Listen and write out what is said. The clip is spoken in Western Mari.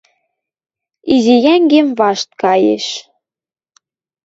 Изи йӓнгем вашт каеш...